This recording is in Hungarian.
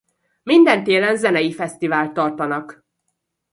Minden télen zenei fesztivált tartanak.